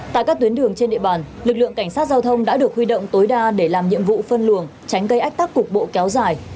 tại các tuyến đường trên địa bàn lực lượng cảnh sát giao thông đã được huy động tối đa để làm nhiệm vụ phân luồng tránh gây ách tắc cục bộ kéo dài